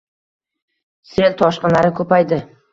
sel toshqinlari ko'paydi